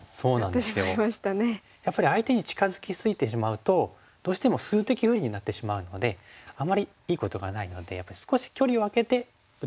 やっぱり相手に近づき過ぎてしまうとどうしても数的不利になってしまうのであまりいいことがないのでやっぱり少し距離を空けて打つといいと思います。